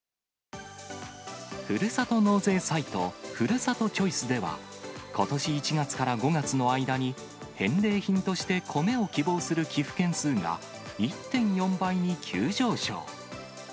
ふるさと納税サイト、ふるさとチョイスでは、ことし１月から５月の間に、返礼品として米を希望する寄付件数が１．４倍に急上昇。